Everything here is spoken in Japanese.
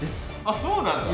あっそうなんだ！